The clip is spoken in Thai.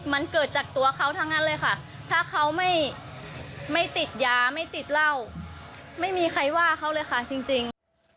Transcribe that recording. มันเกิดจากตัวเขาทั้งนั้นเลยค่ะถ้าเขาไม่ติดยาไม่ติดเหล้าไม่มีใครว่าเขาเลยค่ะจริง